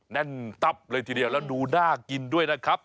แน่นตับเลยทีเดียวแล้วดูน่ากินด้วยนะครับ